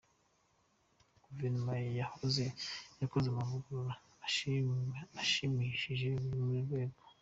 Guverinoma yakoze amavugurura ashimishije muri uru rwego.